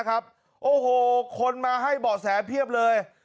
กะลาวบอกว่าก่อนเกิดเหตุ